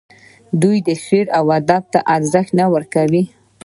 آیا دوی شعر او ادب ته ارزښت نه ورکوي؟